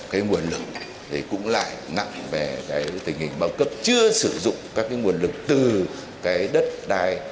cái nguồn lực thì cũng lại nặng về cái tình hình bao cấp chưa sử dụng các cái nguồn lực từ cái đất đai